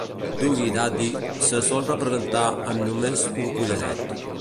Doggie Daddy se sol representar amb només un collaret.